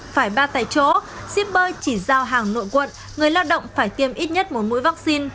phải ba tại chỗ shipper chỉ giao hàng nội quận người lao động phải tiêm ít nhất một mũi vaccine